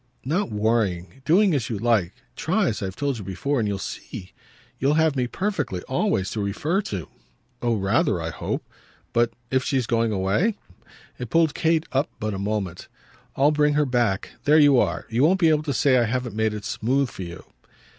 "Not worrying. Doing as you like. Try, as I've told you before, and you'll see. You'll have me perfectly, always, to refer to." "Oh rather, I hope! But if she's going away?" It pulled Kate up but a moment. "I'll bring her back. There you are. You won't be able to say I haven't made it smooth for you."